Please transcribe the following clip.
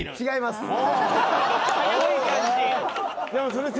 違います